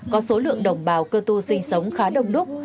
có số lượng đồng bào cơ tu sinh sống khá đông đúc